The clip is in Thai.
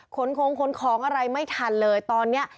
ขนของขนของอะไรไม่ทันเลยตอนนี้